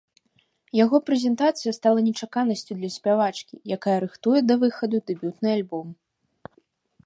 Яго прэзентацыя стала нечаканасцю для спявачкі, якая рыхтуе да выхаду дэбютны альбом.